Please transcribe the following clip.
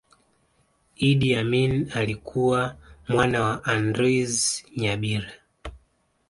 Idi Amin alikuwa mwana wa Andreas Nyabire